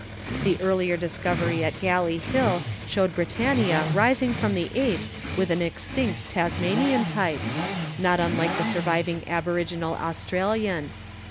The earlier discovery at Galley Hill showed Britannia rising from the apes with an extinct Tasmanian type, not unlike the surviving aboriginal Australian.